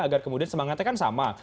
agar kemudian semangatnya kan sama